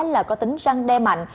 là có tính răng đe mạnh